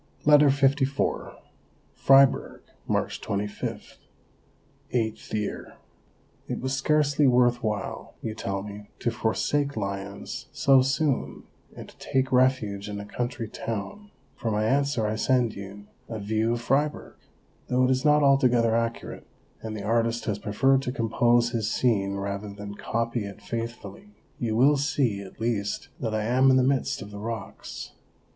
LETTER LIV Fribourg, March 25 (VIII). It was scarcely worth while, you tell me, to forsake Lyons so soon and to take refuge in a country town ; for my answer I send you a view of Fribourg. Though it is not altogether accurate, and the artist has preferred to compose his scene rather than copy it faithfully, you will see at least that I am in the midst of the rocks.